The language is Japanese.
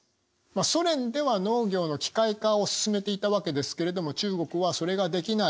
ソ連では農業の機械化を進めていたわけですけれども中国はそれができない。